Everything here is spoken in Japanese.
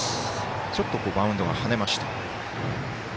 ちょっとバウンドが跳ねました。